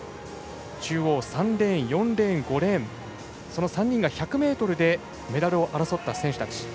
３レーン、４レーン、５レーンその３人が１００ｍでメダルを争った選手たち。